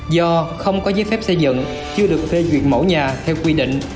do không có giấy phép xây dựng chưa được phê duyệt mẫu nhà theo quy định